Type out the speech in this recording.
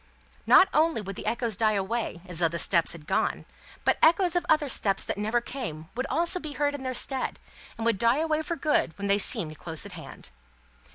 Not only would the echoes die away, as though the steps had gone; but, echoes of other steps that never came would be heard in their stead, and would die away for good when they seemed close at hand.